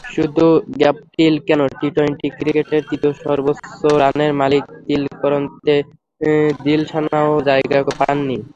শুধু গাপটিল কেন, টি-টোয়েন্টি ক্রিকেটের তৃতীয় সর্বোচ্চ রানের মালিক তিলকরত্নে দিলশানও জায়গা পাননি।